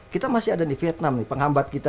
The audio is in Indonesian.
kita masih ada di vietnam nih penghambat kita